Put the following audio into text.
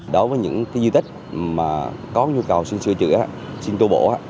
đối với những di tích có nhu cầu xuyên sửa chữa xuyên tu bổ